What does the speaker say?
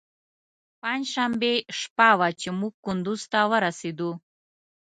پنجشنبې شپه وه چې موږ کندوز ته ورسېدو.